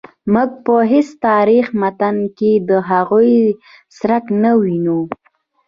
موږ په هیڅ تاریخي متن کې د هغوی څرک نه وینو.